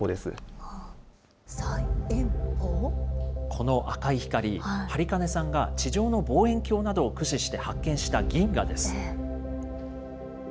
この赤い光、播金さんが地上の望遠鏡などを駆使して発見した銀河です。